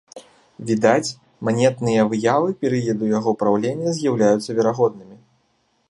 Відаць, манетныя выявы перыяду яго праўлення з'яўляюцца верагоднымі.